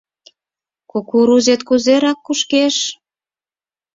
Кукурузет кузерак, кушкеш?